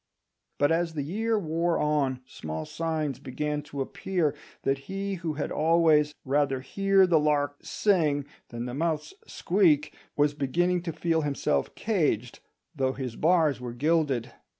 But as the year wore on small signs began to appear that he who had always "rather hear the lark sing than the mouse squeak" was beginning to feel himself caged, though his bars were gilded.